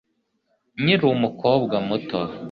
nkiri umukobwa muto